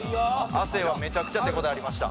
亜生はめちゃくちゃ手応えありました